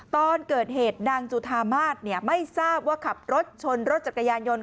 ตอนเกิดเหตุนางจุธามาศไม่ทราบว่าขับรถชนรถจักรยานยนต์